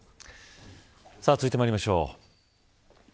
続いてまいりましょう。